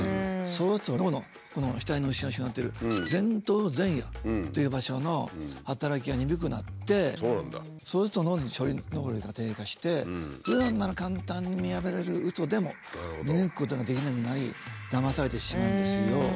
そうすると脳のこの額の後ろに広がってる前頭前野という場所の働きが鈍くなってそうすると脳の処理能力が低下してふだんなら簡単に見破れるうそでも見抜くことができなくなりだまされてしまうんですよ。